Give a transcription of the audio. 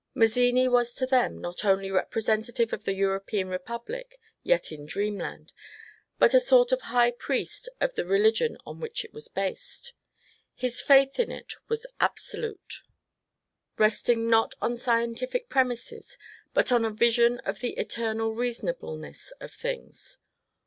Mazzini was to them not only representative of the European republic — yet in dreamland — but a sort of high priest of the re ligion on which it was based. His faith in it was absolute, resting not on scientific premises, but on a vision of the eter nal reasonableness of things.